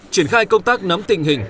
triển khai công tác nắm tình hình